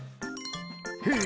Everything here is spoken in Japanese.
へえ！